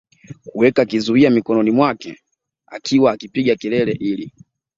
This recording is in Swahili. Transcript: kuweka kizuia mikononi mwake akiwa akipiga kelele ili